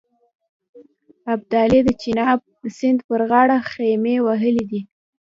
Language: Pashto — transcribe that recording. ابدالي د چیناب سیند پر غاړه خېمې وهلې دي.